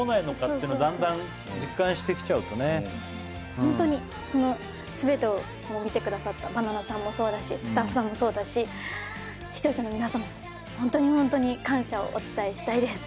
ホントにそのすべてを見てくださったバナナマンさんもそうだしスタッフさんもそうだし視聴者の皆さまホントに感謝をお伝えしたいです。